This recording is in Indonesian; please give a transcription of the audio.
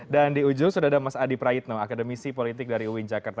dan di ujung sudah ada mas adi prayitno akademisi politik dari uin jakarta